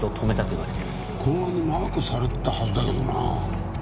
公安にマークされてたはずだけどな。